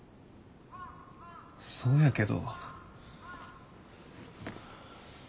そうやけど。